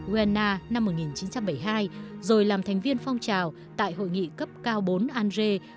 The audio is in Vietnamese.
uena năm một nghìn chín trăm bảy mươi hai rồi làm thành viên phong trào tại hội nghị cấp cao bốn andré một nghìn chín trăm bảy mươi ba